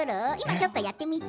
ちょっとやってみて。